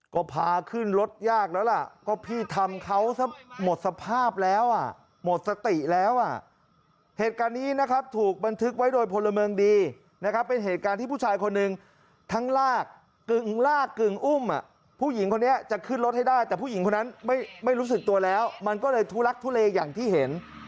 ก็พาขึ้นรถยากแล้วล่ะก็พี่ทำเขาซะหมดสภาพแล้วอ่ะหมดสติแล้วอ่ะเหตุการณ์นี้นะครับถูกบันทึกไว้โดยพลเมืองดีนะครับเป็นเหตุการณ์ที่ผู้ชายคนหนึ่งทั้งลากกึ่งลากกึ่งอุ้มผู้หญิงคนนี้จะขึ้นรถให้ได้แต่ผู้หญิงคนนั้นไม่รู้สึกตัวแล้วมันก็เลยทุลักทุเลอย่างที่เห็น